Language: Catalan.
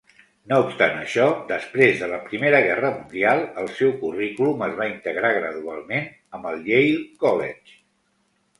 No obstant això, després de la Primera Guerra Mundial, el seu currículum es va integrar gradualment amb el Yale College.